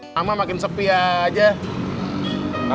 nama makin sepi aja